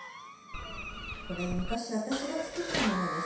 これ昔私が作ったものです。